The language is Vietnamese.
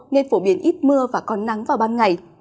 nên phổ biến ít mưa và còn nắng vào ban ngày